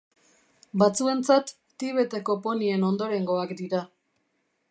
Batzuentzat Tibeteko ponien ondorengoak dira.